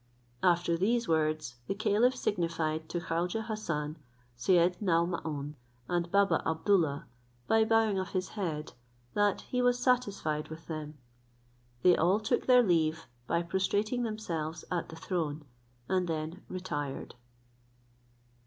After these words the caliph signified to Khaujeh Hassan, Syed Naomaun, and Baba Abdoollah, by bowing of his head, that he was satisfied with them; they all took their leaves, by prostrating themselves at the throne, and then retired.